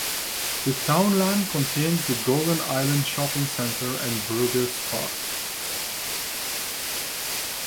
The townland contains the Golden Island Shopping Centre and Burgess Park.